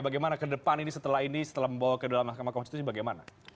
bagaimana ke depan ini setelah ini setelah membawa ke dalam mahkamah konstitusi bagaimana